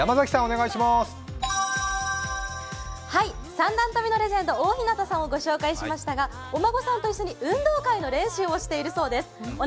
三段跳びのレジェンド大日向さんをご紹介しましたがお孫さんと一緒に運動会の練習をしているそうです。